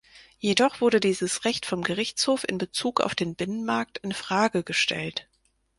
Jedoch wurde dieses Recht vom Gerichtshof in Bezug auf den Binnenmarkt in Frage gestellt.